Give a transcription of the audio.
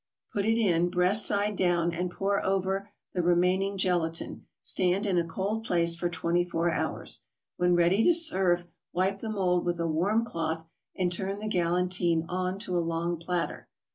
Put it in, breast side down, and pour over the remaining gelatin. Stand in a cold place for twenty four hours. When ready to serve, wipe the mold with a warm cloth, and turn the "galantine" on to a long platter.